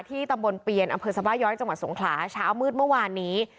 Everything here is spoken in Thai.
ตำบลเปียนอำเภอสบาย้อยจังหวัดสงขลาเช้ามืดเมื่อวานนี้